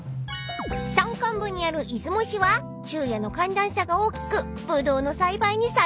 ［山間部にある出雲市は昼夜の寒暖差が大きくブドウの栽培に最適］